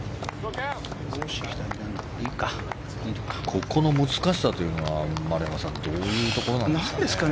ここの難しさというのは丸山さんどういうところですか。